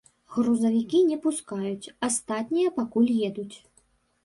Грузавікі не пускаюць, астатнія пакуль едуць.